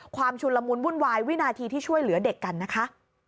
ความชุลมุ้นบุญวายวินาทีที่ช่วยเหลือเด็กกันนะคะ